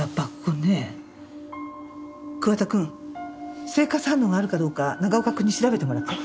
桑田くん生活反応があるかどうか永岡くんに調べてもらって。